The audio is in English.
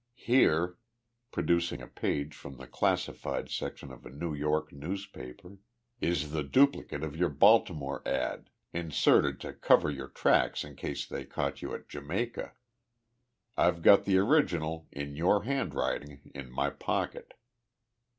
Here" producing a page from the classified section of a New York newspaper "is the duplicate of your Baltimore ad., inserted to cover your tracks in case they caught you at Jamaica. I've got the original, in your handwriting, in my pocket."